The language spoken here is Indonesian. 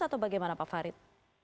atau bagaimana pak farid